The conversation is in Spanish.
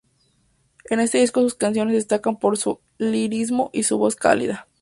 En este disco sus canciones destacan por su lirismo y su voz cálida.